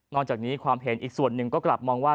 จากนี้ความเห็นอีกส่วนหนึ่งก็กลับมองว่า